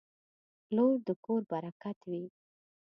• لور د کور برکت وي.